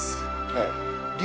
はい。